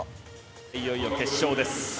いよいよ決勝です。